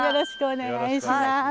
よろしくお願いします。